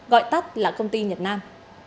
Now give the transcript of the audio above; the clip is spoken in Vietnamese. gọi tắt là công ty nhật nam